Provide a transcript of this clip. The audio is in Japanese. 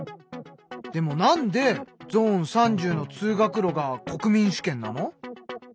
でもなんでゾーン３０の通学路が国民主権なの？